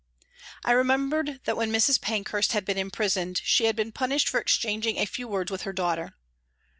I remembered that when Mrs. Pankhurst had been imprisoned she had been punished for exchanging a few words with her daughter.